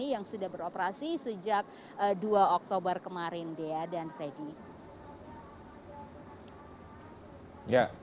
yang sudah beroperasi sejak dua oktober kemarin